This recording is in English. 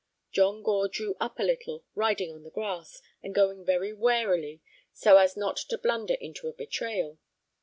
John Gore drew up a little, riding on the grass, and going very warily, so as not to blunder into a betrayal.